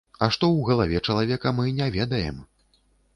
А што ў галаве чалавека, мы не ведаем.